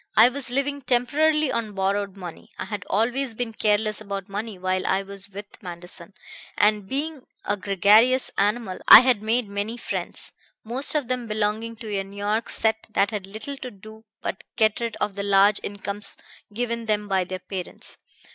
I was living temporarily on borrowed money. I had always been careless about money while I was with Manderson, and being a gregarious animal I had made many friends, most of them belonging to a New York set that had little to do but get rid of the large incomes given them by their parents.